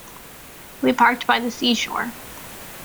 We parked by the seashore.